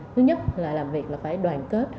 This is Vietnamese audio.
thứ nhất là làm việc là phải đoàn kết